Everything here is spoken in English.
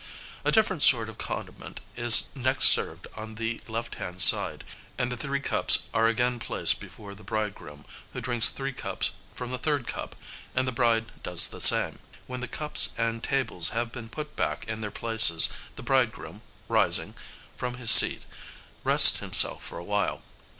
A different sort of condiment is next served on the left hand side; and the three cups are again placed before the bridegroom, who drinks three cups from the third cup, and the bride does the same. When the cups and tables have been put back in their places, the bridegroom, rising from his seat, rests himself for a while.